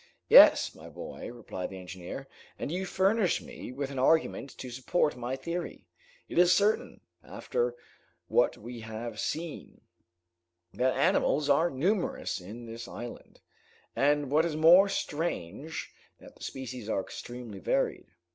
"Yes, my boy," replied the engineer, "and you furnish me with an argument to support my theory. It is certain, after what we have seen, that animals are numerous in this island, and what is more strange, that the species are extremely varied.